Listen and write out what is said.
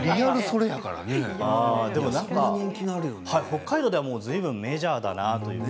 北海道ではずいぶんメジャーです。